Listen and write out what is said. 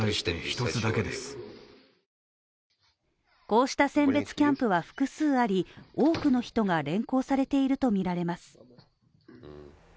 こうした選別キャンプは複数あり、多くの人が連行されているとみられます。